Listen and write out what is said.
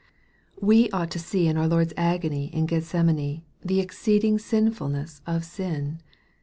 We ought to see in our Lord's agony in Gethsemane the exceeding sinfulness of sin.